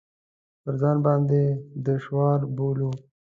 پر ځان باندې دشوار بولو.